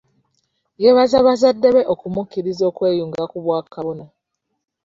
Yebaza bazadde be okumukkiriza okweyunga ku bwa kabona.